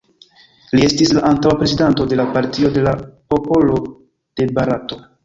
Li estis la antaŭa Prezidanto de la Partio de la Popolo de Barato.